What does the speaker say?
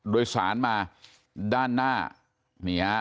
โดยสารมาด้านหน้าแหม้งเนี้ย